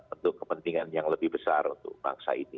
untuk kepentingan yang lebih besar untuk bangsa ini